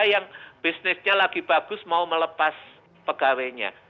yang bisnisnya lagi bagus mau melepas pegawainya